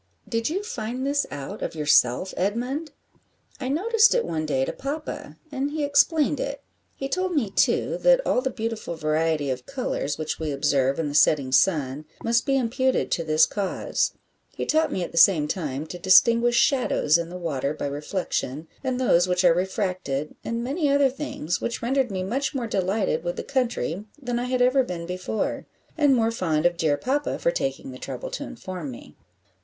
"Did you find this out of yourself, Edmund?" "I noticed it one day to papa, and he explained it; he told me, too, that all the beautiful variety of colours which we observe in the setting sun must be imputed to this cause; he taught me at the same time to distinguish shadows in the water by reflection, and those which are refracted, and many other things, which rendered me much more delighted with the country than I had ever been before, and more fond of dear papa for taking the trouble to inform me."